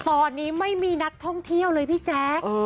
ตอนนี้ไม่มีนักท่องเที่ยวเลยพี่แจ๊ค